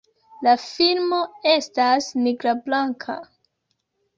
La filmo estas nigra-blanka.